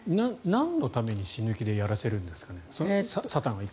なんのために死ぬ気でやらせるんですかね。